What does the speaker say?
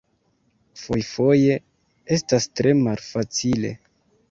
Fojfoje estas tre malfacile.